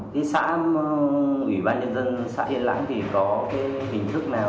cái xã ủy ban nhân dân xã yên lãng thì có cái hình thức nào